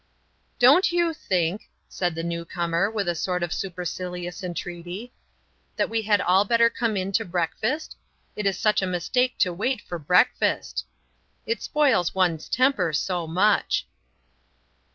"Don't you think," said the new comer, with a sort of supercilious entreaty, "that we had better all come into breakfast? It is such a mistake to wait for breakfast. It spoils one's temper so much."